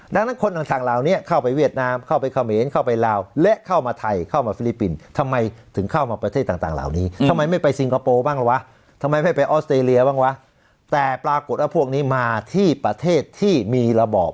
ดังนั้นคนต่างเหล่านี้เข้าไปเวียดนามเข้าไปเขมรเข้าไปลาวและเข้ามาไทยเข้ามาฟิลิปปินส์ทำไมถึงเข้ามาประเทศต่างเหล่านี้ทำไมไม่ไปซิงคโปร์บ้างล่ะวะทำไมไม่ไปออสเตรเลียบ้างวะแต่ปรากฏว่าพวกนี้มาที่ประเทศที่มีระบอบ